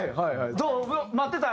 どう待ってた？